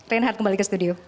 rian hart kembali ke studio